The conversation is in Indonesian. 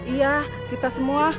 iya kita semua